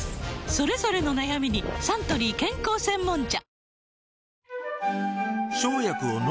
それぞれの悩みにサントリー健康専門茶